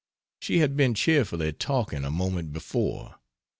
She had been cheerfully talking, a moment before.